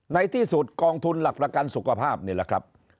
ในที่สุดกองทุนหลักประกันสุขภาพนี่แหละครับ